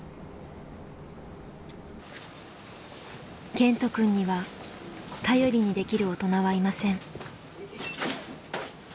健人くんには頼りにできる大人はいません。